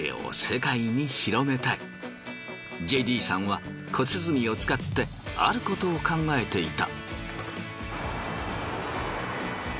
ＪＤさんは小鼓を使ってあることを考えていた。